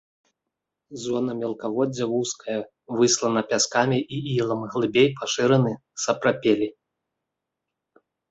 Зона мелкаводдзя вузкая, выслана пяскамі і ілам, глыбей пашыраны сапрапелі.